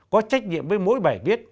có trách nhiệm với mỗi bài viết